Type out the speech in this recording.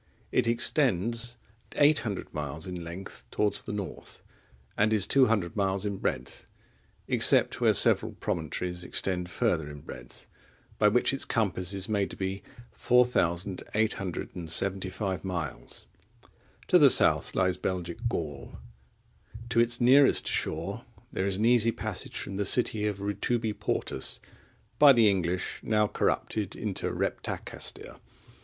It extends 800 miles in length towards the north, and is 200 miles in breadth, except where several promontories extend further in breadth, by which its compass is made to be 4,875 miles.(22) To the south lies Belgic Gaul. To its nearest shore there is an easy passage from the city of Rutubi Portus, by the English now corrupted into Reptacaestir.